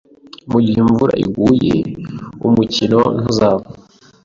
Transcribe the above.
Mugihe imvura iguye, umukino ntuzaba